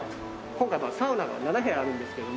今回はサウナが７部屋あるんですけども。